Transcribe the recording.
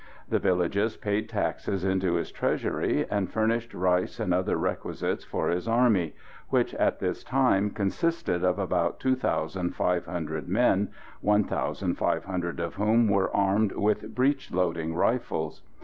The villages paid taxes into his treasury, and furnished rice and other requisites for his army, which at this time consisted of about two thousand five hundred men, one thousand five hundred of whom were armed with breech loading rifles.